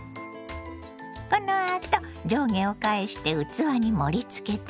このあと上下を返して器に盛りつけてね。